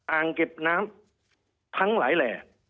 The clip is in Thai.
อ่างเก็บน้ำทั้งหลายแหล่